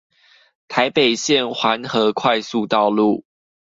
台北縣環河快速道路